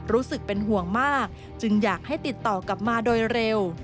รู้สึกเป็นห่วงมากจึงอยากให้ติดต่อกลับมาโดยเร็ว